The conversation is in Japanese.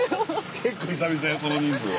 結構久々よこの人数は。